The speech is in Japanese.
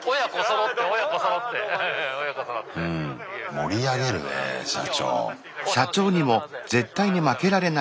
盛り上げるねえ社長。